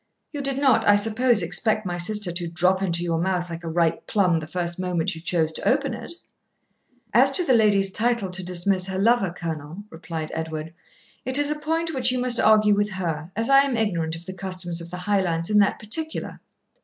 You did not, I suppose, expect my sister to drop into your mouth like a ripe plum the first moment you chose to open it?' 'As to the lady's title to dismiss her lover, Colonel,' replied Edward, 'it is a point which you must argue with her, as I am ignorant of the customs of the Highlands in that particular.